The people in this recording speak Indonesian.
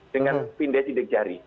dengan pindah sidik jari